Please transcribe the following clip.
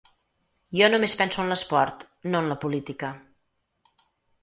Jo només penso en l’esport, no en la política.